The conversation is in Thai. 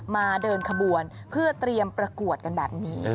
เดินขบวนเพื่อเตรียมประกวดกันแบบนี้